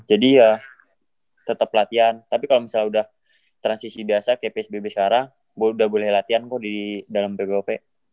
jadi ya tetep latihan tapi kalo misalnya udah transisi biasa kayak psbb sekarang gue udah boleh latihan kok di dalam ppop